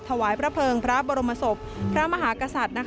ถวายพระเภิงพระบรมศพพระมหากษัตริย์